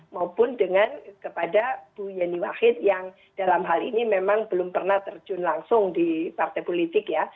maupun dengan kepada bu yeni wahid yang dalam hal ini memang belum pernah terjun langsung di partai politik ya